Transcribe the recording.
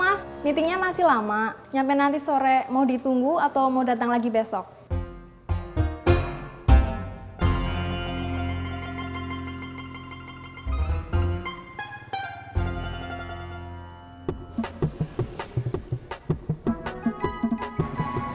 maaf mas meeting nya masih lama nyampe nanti sore mau ditunggu atau mau berjalan